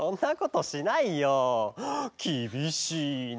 きびしいな。